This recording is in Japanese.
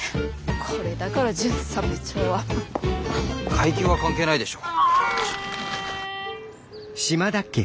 これだから巡査部長は。階級は関係ないでしょ。